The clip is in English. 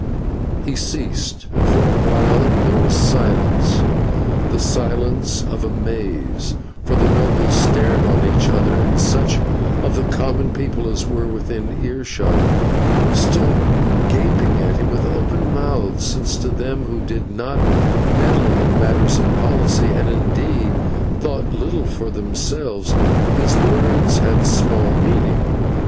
He ceased, and for a while there was silence, the silence of amaze, for the nobles stared each on each, and such of the common people as were within earshot stood gaping at him with open mouths, since to them who did not meddle in matters of polity, and, indeed, thought little for themselves, his words had small meaning.